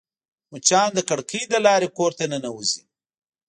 مچان د کړکۍ له لارې کور ته ننوزي